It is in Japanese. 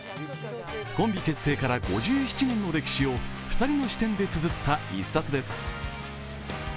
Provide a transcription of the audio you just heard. コンビ結成から５７年の歴史を２人の視点でつづった１冊です。